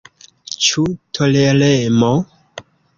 Ĉu toleremo?